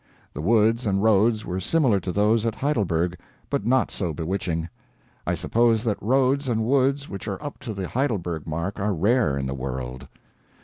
The woods and roads were similar to those at Heidelberg, but not so bewitching. I suppose that roads and woods which are up to the Heidelberg mark are rare in the world.